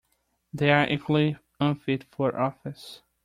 They are equally unfit for office